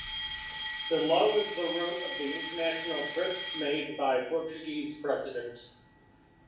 Below is the route of the international trip made by Portuguese President.